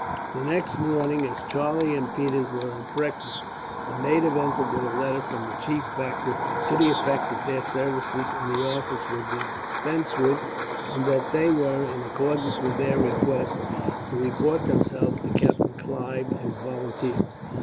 The next morning as Charlie and Peters were at breakfast, a native entered with a letter from the chief factor, to the effect that their services in the office would be dispensed with, and that they were, in accordance with their request, to report themselves to Captain Clive as volunteers.